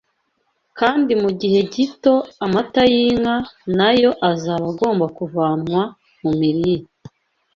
kandi mu gihe gito amata y’inka na yo azaba agomba kuvanwa mu mirire